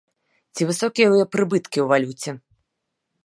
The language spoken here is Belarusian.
Ці высокія ў яе прыбыткі ў валюце?